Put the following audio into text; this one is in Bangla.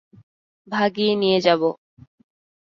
ভাগিয়ে নিয়ে যাবো।